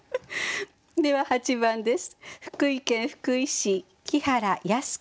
では８番です。